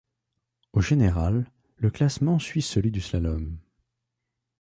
Au général, le classement suit celui du slalom.